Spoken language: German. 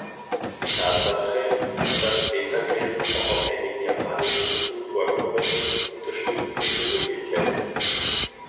Die Tatsache, dass Weta-Grillen auch auf einigen japanischen Inseln vorkommen, unterstützt diese Möglichkeit.